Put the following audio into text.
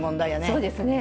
そうですね。